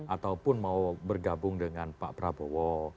ataupun mau bergabung dengan pak prabowo